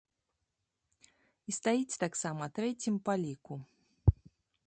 І стаіць таксама трэцім па ліку.